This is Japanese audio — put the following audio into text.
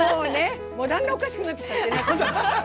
だんだんおかしくなってきちゃってね。